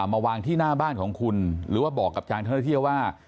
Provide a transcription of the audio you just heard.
มาวางที่หน้าบ้านของคุณหรือว่าบอกกับทางเจ้าหน้าที่ว่า